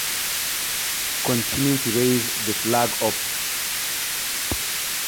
There are vegetarian versions of this soup.